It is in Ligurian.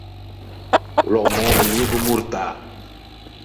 O l’é o mæ nemigo mortâ.